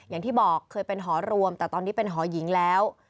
อย่างที่บอกเคยเป็นหอรวมแต่ตอนนี้เป็นหอหญิงแล้ว